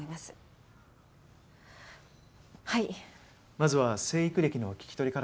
まずは生育歴の聞き取りからですね。